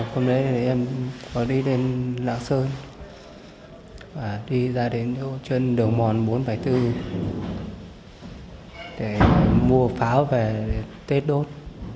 hôm nay em đi đến lạc sơn và đi ra đến chân đường mòn bốn trăm bảy mươi bốn để mua pháo về tết đốt